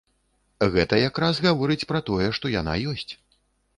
Гэта якраз гаворыць пра тое, што яна ёсць.